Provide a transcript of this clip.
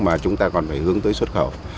mà chúng ta còn phải hướng tới xuất khẩu